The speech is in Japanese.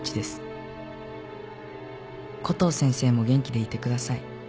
コトー先生も元気でいてください。